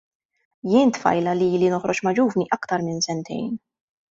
Jien tfajla li ili noħroġ ma' ġuvni aktar minn sentejn.